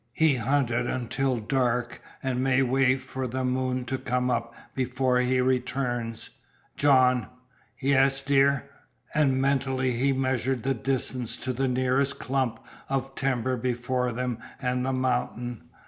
"He hunted until dark, and may wait for the moon to come up before he returns." "John " "Yes, dear? " And mentally he measured the distance to the nearest clump of timber between them and the mountain.